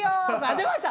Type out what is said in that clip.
出ました。